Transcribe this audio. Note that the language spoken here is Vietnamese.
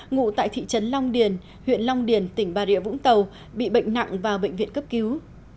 ngụ tại thị trấn long điền huyện long điền tỉnh bà rịa vũng tàu bị bệnh nặng vào bệnh viện cấp cứu